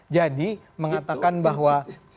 jadi mengatakan bahwa